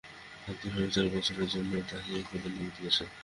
আবদুল হামিদ চার বছরের জন্য তাঁকে এই পদে নিয়োগ দিয়েছেন।